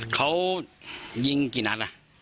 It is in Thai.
เขายิงกี่นัด